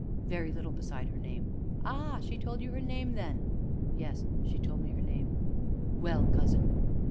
"Very little beside her name." "Ah! she told you her name, then?" "Yes, she told me her name." "Well, cousin?"